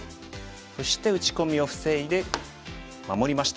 そして打ち込みを防いで守りました。